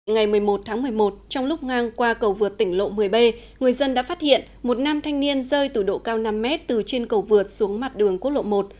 ngày một mươi một tháng một mươi một trong lúc ngang qua cầu vượt tỉnh lộ một mươi b người dân đã phát hiện một nam thanh niên rơi từ độ cao năm m từ trên cầu vượt xuống mặt đường quốc lộ một